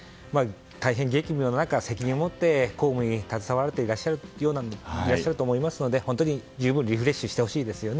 大変、激務の中責任を持って公務に携わっていらっしゃると思いますので本当に十分リフレッシュしてほしいですよね。